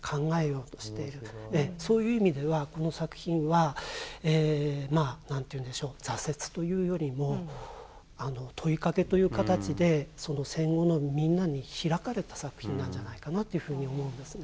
そういう意味ではこの作品はまあ何ていうんでしょう挫折というよりも問いかけという形で戦後のみんなに開かれた作品なんじゃないかなというふうに思うんですね。